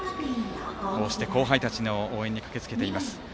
こうして後輩たちの応援に駆けつけています。